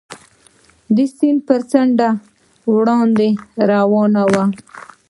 د سیند پر څنډه وړاندې روان ووم.